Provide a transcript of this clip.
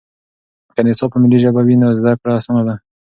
که نصاب په ملي ژبه وي نو زده کړه اسانه ده.